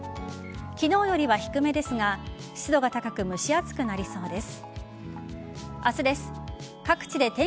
昨日よりは低めですが湿度が高く蒸し暑くなりそうです。